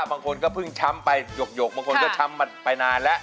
บางคนก็เพิ่งช้ำไปหยกบางคนก็ช้ำมาไปนานแล้ว